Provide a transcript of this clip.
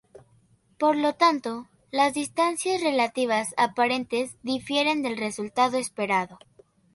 Por lo tanto, las distancias relativas aparentes difieren del resultado esperado.